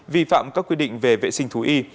vi phạm các quy định về vệ sinh thú y